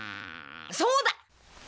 そうだ！